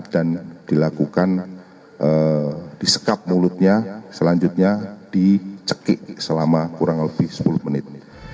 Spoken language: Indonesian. dan dilakukan disekap mulutnya selanjutnya dicekik selama kurang lebih sepuluh menit